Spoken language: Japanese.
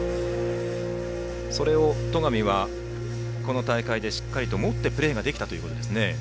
それを戸上はこの大会でしっかりと持ってプレーできたということですね。